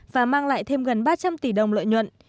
và mang lại thêm gần ba trăm linh tỷ đồng lợi nhuận